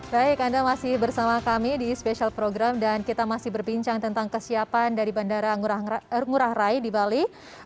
baik anda masih bersama kami di special program dan kita masih berbincang tentang kesiapan dari bandara ngurah rai di bali